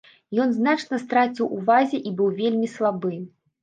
Ён значна страціў у вазе і быў вельмі слабы.